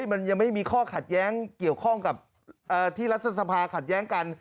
มันยังไม่มีข้อขัดแย้งเกี่ยวข้องกับที่รัฐสภาขัดแย้งกัน